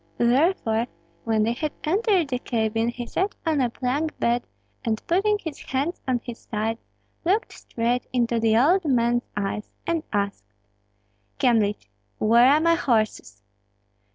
Therefore, when they had entered the cabin he sat on a plank bed, and putting his hands on his sides, looked straight into the old man's eyes and asked, "Kyemlich, where are my horses?"